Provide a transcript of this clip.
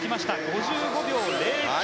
５５秒０９。